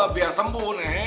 biar sembuh nek